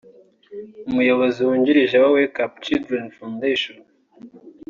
umuyobozi wungirije wa Wake Up Children Foundation